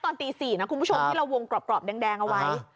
ตอนตี๔นะคุณผู้ชมที่เราวงกรอบแดงเอาไว้